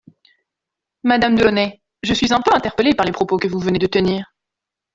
Madame Delaunay, je suis un peu interpellée par les propos que vous venez de tenir.